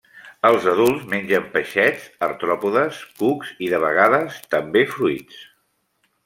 Els adults mengen peixets, artròpodes, cucs i, de vegades, també fruits.